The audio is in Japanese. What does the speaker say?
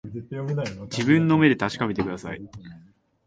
自分の目で確かめてください